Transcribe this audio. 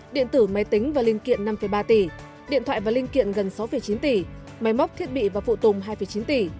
điện tử máy tính và linh kiện năm ba tỷ điện thoại và linh kiện gần sáu chín tỷ máy móc thiết bị và phụ tùng hai chín tỷ